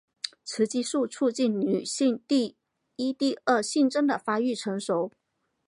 雌激素促进女性第一第二性征的发育成熟。